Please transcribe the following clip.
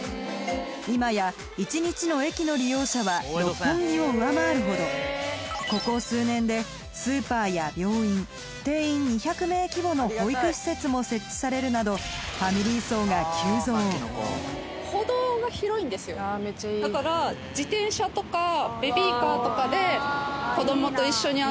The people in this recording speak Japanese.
今や１日の駅の利用者は六本木を上回るほどここ数年でスーパーや病院定員２００名規模の保育施設も設置されるなどだから自転車とかベビーカーとかで。